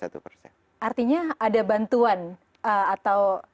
artinya ada bantuan atau